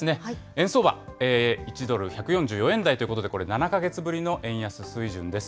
円相場、１ドル１４４円台ということで、これ、７か月ぶりの円安水準です。